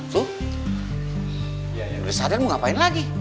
tuh ya yang udah sadar mau ngapain lagi